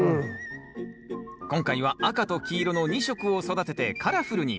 今回は赤と黄色の２色を育ててカラフルに。